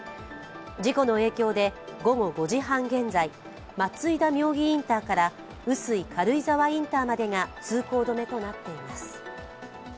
事故の影響で、午後５時半現在、松井田妙義インターから碓氷軽井沢インターまでが通行止めとなっています。